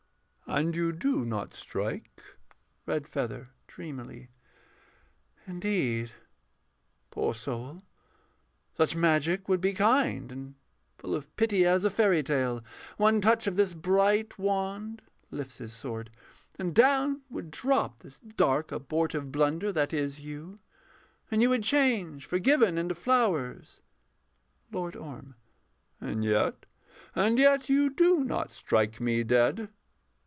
And you do not strike. REDFEATHER [dreamily]. Indeed, poor soul, such magic would be kind And full of pity as a fairy tale: One touch of this bright wand [Lifts his sword] and down would drop The dark abortive blunder that is you. And you would change, forgiven, into flowers. LORD ORM. And yet and yet you do not strike me dead.